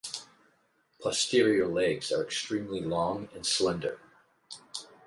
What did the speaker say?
Posterior legs are extremely long and slender.